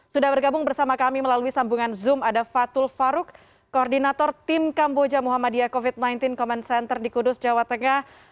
sudah bergabung bersama kami melalui sambungan zoom ada fatul faruk koordinator tim kamboja muhammadiyah covid sembilan belas command center di kudus jawa tengah